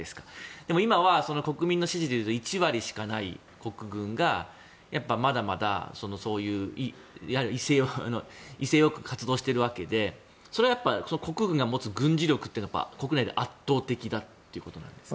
でも、今は国民の支持でいうと１割しかない国軍が、まだまだ威勢良く活動しているわけでそれは、やっぱり国軍が持つ軍事力というのが国内で圧倒的だということなんですか。